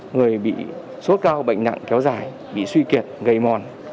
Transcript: người bị sốt cao bệnh nặng kéo dài bị suy kiệt gây mòn